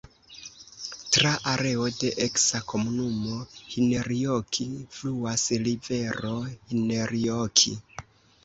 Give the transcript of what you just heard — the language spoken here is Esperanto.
Tra areo de eksa komunumo Hinnerjoki fluas rivero Hinnerjoki.